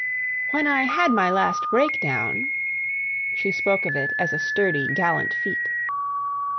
"When I had my last breakdown"—she spoke of it as a sturdy, gallant feat.